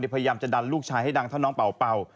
พยายามจะดันลูกชายให้ดังเท่าน้องเป่า